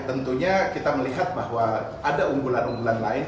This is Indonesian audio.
tentunya kita melihat bahwa ada unggulan unggulan lain